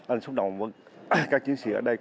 anh xúc động với các chiến sĩ ở đây